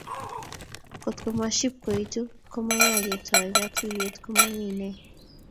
Kotko mashipkoitu ko maya ketoy katuyet komami inee